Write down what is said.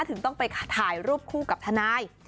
ถึงต้องไปถ่ายรูปคู่กับทนาย